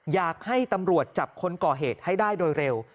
อยากให้ตำรวจจับคนก่อเหตุให้ได้โดยเร็ว